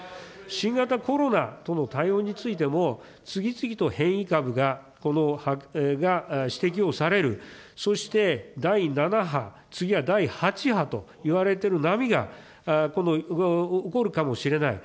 新型コロナとの対応についても、次々と変異株が指摘をされる、そして第７波、次は第８波といわれている波が起こるかもしれない。